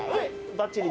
ばっちり？